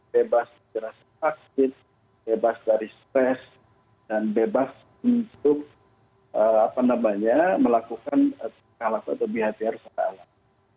bebas dari rasa takdir bebas dari stress dan bebas untuk melakukan hal hal atau biadir secara alam